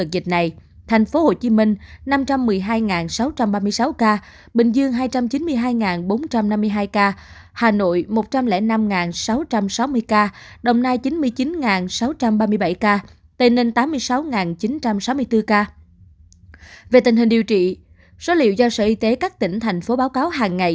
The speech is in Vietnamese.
về tình hình điều trị số liệu do sở y tế các tỉnh thành phố báo cáo hàng ngày